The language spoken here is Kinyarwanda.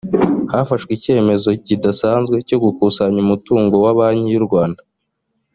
hafashwe icyemezo kidasanzwe cyo gukusanya umutungo wa banki yurwanda